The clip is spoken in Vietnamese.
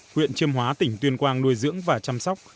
huyện chiêm hóa tỉnh tuyên quang nuôi dưỡng và chăm sóc